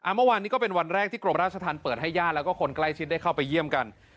เมื่อวานนี้ก็เป็นวันแรกที่กรมราชธรรมเปิดให้ญาติแล้วก็คนใกล้ชิดได้เข้าไปเยี่ยมกัน